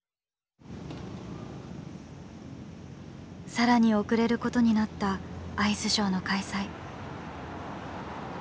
さらに遅れることになったアイスショーの開催。